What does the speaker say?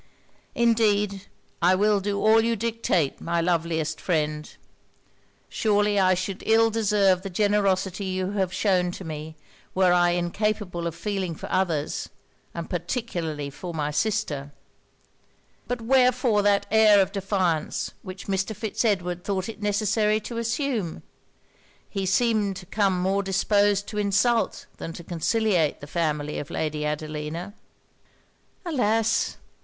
'Indeed I will do all you dictate, my loveliest friend! Surely I should ill deserve the generosity you have shewn to me, were I incapable of feeling for others, and particularly for my sister. But wherefore that air of defiance which Mr. Fitz Edward thought it necessary to assume? He seemed to come more disposed to insult than to conciliate the family of Lady Adelina.' 'Alas!